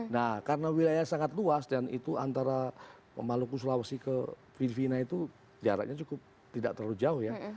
nah karena wilayah sangat luas dan itu antara maluku sulawesi ke filipina itu jaraknya cukup tidak terlalu jauh ya